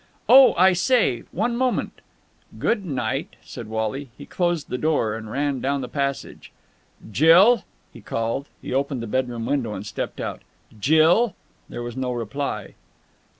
"Oh, I say. One moment...." "Good night!" said Wally. He closed the door, and ran down the passage. "Jill!" he called. He opened the bedroom window and stepped out. "Jill!" There was no reply.